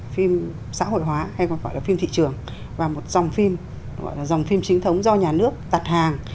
phim xã hội hóa hay còn gọi là phim thị trường và một dòng phim gọi là dòng phim chính thống do nhà nước đặt hàng